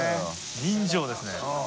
人情ですね。